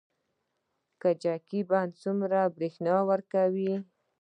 کجکي بند څومره بریښنا ورکوي؟